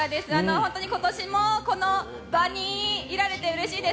本当に今年もこのバニーいられてうれしいです。